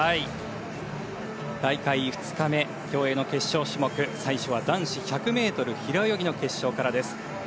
大会２日目競泳の決勝種目最初は男子１００ｍ平泳ぎの決勝からです。